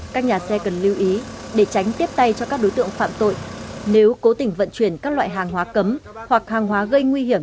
các nhà xe cần lưu ý để tránh tiếp tay cho các đối tượng phạm tội nếu cố tình vận chuyển các loại hàng hóa cấm hoặc hàng hóa gây nguy hiểm